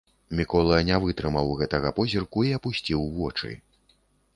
Мікола не вытрымаў гэтага позірку і апусціў вочы.